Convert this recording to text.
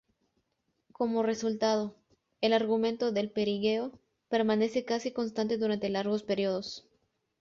Como resultado, el argumento del perigeo permanece casi constante durante largos períodos.